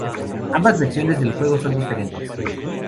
Ambas versiones del juego son diferentes.